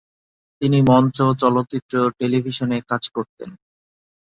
তিনি মঞ্চ, চলচ্চিত্র ও টেলিভিশনে কাজ করতেন।